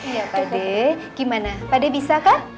iya pak deh gimana pak deh bisa kan